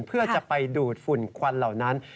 เพื่อจะไปดูดฝุ่นควันเหล่านั้น